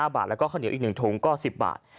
๑๕บาทและก็ข้าวเหนียวอีกหนึ่งถุงก็๑๐บาท